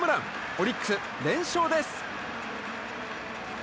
オリックス、連勝です。